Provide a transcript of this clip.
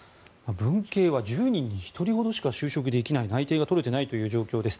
文系は１０人に１人ほどしか内定が取れていないという状況です。